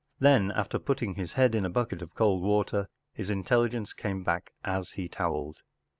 Then, after putting his head in a bucket of cold water, his intelligence came back as he towelled.